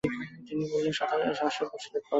তিনি বললেনঃ সাতশ বছরের পথ।